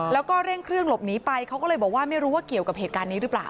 แล้วก็เร่งเครื่องหลบหนีไปเขาก็เลยบอกว่าไม่รู้ว่าเกี่ยวกับเหตุการณ์นี้หรือเปล่า